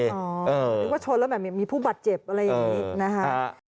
นึกว่าชนแล้วแบบมีผู้บาดเจ็บอะไรอย่างนี้นะฮะ